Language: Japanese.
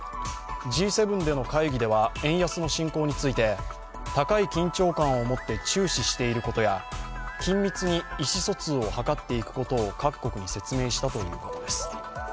Ｇ７での会議では円安の進行について、高い緊張感を持って注視していることや緊密に意思疎通を図っていくことを各国に説明したということです。